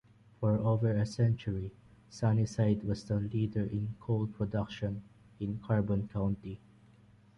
For over a century, Sunnyside was the leader in coal production in Carbon County.